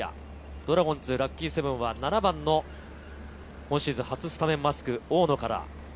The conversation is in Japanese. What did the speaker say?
ドラゴンズ、ラッキーセブンは７番の今シーズン初スタメンマスク、大野から。